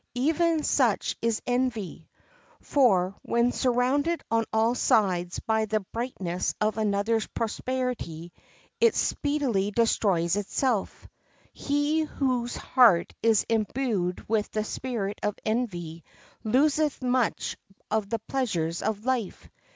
Even such is envy; for when surrounded on all sides by the brightness of another's prosperity it speedily destroys itself. He whose heart is imbued with the spirit of envy loseth much of the pleasures of life.